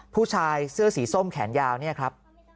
ผู้ชายเสื้อสีส้มแขนยาวเนี่ยครับ